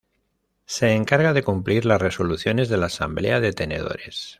Se encarga de cumplir las resoluciones de la Asamblea de Tenedores.